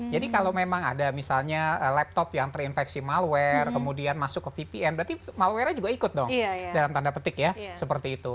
jadi kalau memang ada misalnya laptop yang terinfeksi malware kemudian masuk ke vpn berarti malware nya juga ikut dong dalam tanda petik ya seperti itu